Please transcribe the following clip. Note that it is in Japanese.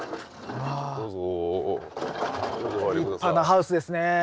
立派なハウスですね。